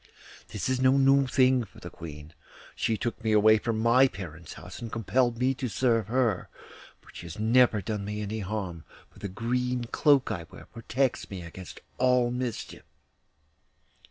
This is no new thing for the Queen; she took me away from my parents' house and compelled me to serve her; but she has never done me any harm, for the green cloak I wear protects me against all mischief.